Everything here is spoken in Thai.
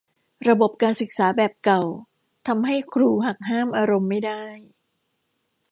ระบบการศึกษาแบบเก่าทำให้ครูหักห้ามอารมณ์ไม่ได้